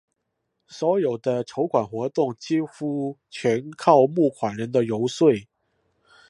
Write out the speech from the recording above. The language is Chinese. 所有的筹款活动几乎全靠募款人的游说。